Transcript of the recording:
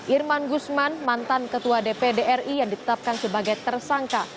irman guzman mantan ketua dpdri yang ditetapkan sebagai tersangka